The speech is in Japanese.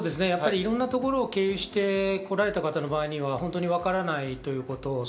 いろんな所を経由してこられた方の場合にはわからないということ。